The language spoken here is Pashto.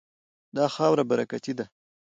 دا خاوره برکتي ده.